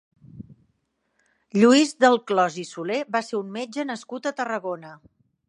Lluís Delclòs i Soler va ser un metge nascut a Tarragona.